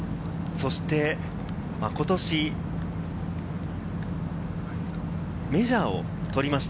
今年メジャーを取りました